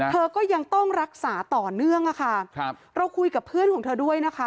เธอก็ยังต้องรักษาต่อเนื่องอะค่ะครับเราคุยกับเพื่อนของเธอด้วยนะคะ